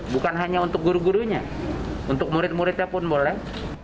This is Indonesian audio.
bukan hanya untuk guru gurunya untuk murid muridnya pun boleh